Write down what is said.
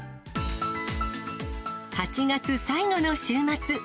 ８月最後の週末。